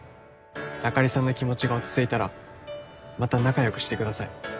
あかりさんの気持ちが落ち着いたらまた仲よくしてください